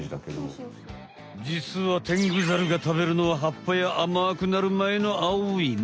じつはテングザルが食べるのは葉っぱやあまくなる前のあおい実。